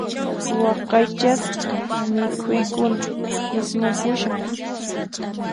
Waqaychasqa mikhuykuna ismupushan.